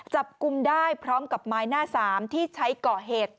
จับกลุ่มได้พร้อมกับไม้หน้าสามที่ใช้ก่อเหตุ